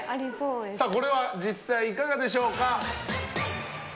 これは実際、いかがでしょうか。